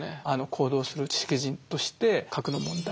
「行動する知識人」として核の問題